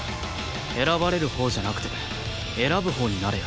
選ばれるほうじゃなくて選ぶほうになれよ。